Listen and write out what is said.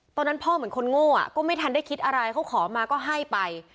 ตอนนั้นพ่อเหมือนคนโง่ก็ไม่ทันได้คิดอะไรเขาขอมาก็ให้ไป